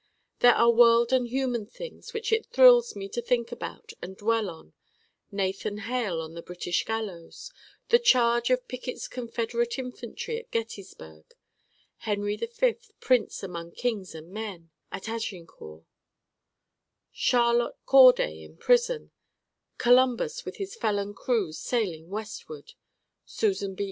There are world and human things which it thrills me to think about and dwell on: Nathan Hale on the British gallows: the charge of Pickett's Confederate infantry at Gettysburg: Henry V, prince among kings and men, at Agincourt: Charlotte Corday in prison: Columbus with his felon crews sailing westward: Susan B.